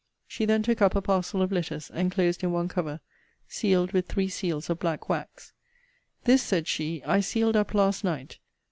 She then took up a parcel of letters, enclosed in one cover, sealed with three seals of black wax: This, said she, I sealed up last night.